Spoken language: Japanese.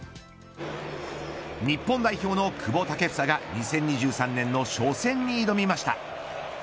日本代表の久保建英が２０２３年の初戦に挑みました。